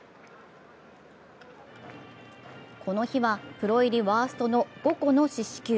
この日は、プロ入りワーストの５個の四死球。